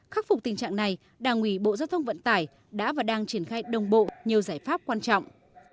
khắc phục tình trạng này đảng ủy bộ giao thông vận tải đã và đang triển khai đồng bộ nhiều giải pháp quan trọng